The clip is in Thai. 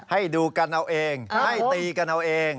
ให้ดูกันเอาเองให้ตีกันเอาเอง